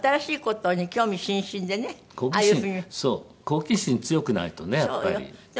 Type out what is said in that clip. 好奇心強くないとねやっぱり。